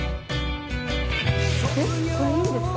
えっこれいいんですか？